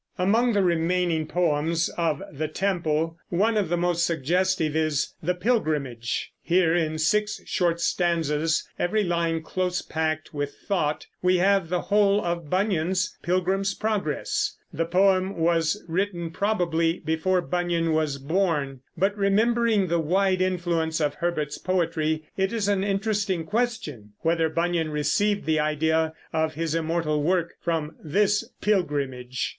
Among the remaining poems of The Temple one of the most suggestive is "The Pilgrimage." Here in six short stanzas, every line close packed with thought, we have the whole of Bunyan's Pilgrim's Progress. The poem was written probably before Bunyan was born, but remembering the wide influence of Herbert's poetry, it is an interesting question whether Bunyan received the idea of his immortal work from this "Pilgrimage."